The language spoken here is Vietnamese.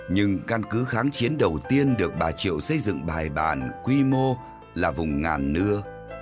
nhưng căn cứ kháng chiến đầu tiên được bà triệu xây dựng bài bản quy mô là vùng ngàn nưa